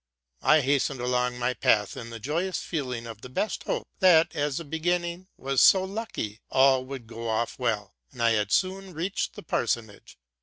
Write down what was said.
'' I hastened along he path in the joyous feeling of the best hope, that, as the beginning was so lucky, all would go off well; and I had soon reached the parsonage.